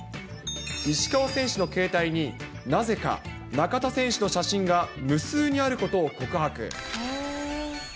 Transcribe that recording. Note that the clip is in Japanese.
石川選手の携帯に、なぜか中田選手の写真が無数にあることを告白。